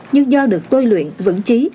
nhưng do được tôi luyện vững trí